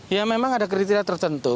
ya memang ada kriteria tertentu